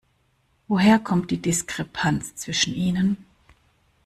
Woher kommt die Diskrepanz zwischen ihnen?